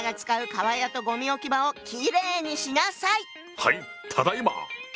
はいただいま！